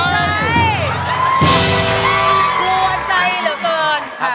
กลัวใจเหลือเกิน